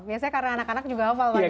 biasanya karena anak anak juga hafal pak